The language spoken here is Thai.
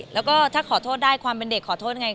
แล้วก็ถ้าขอโทษได้ความเป็นเด็กขอโทษไง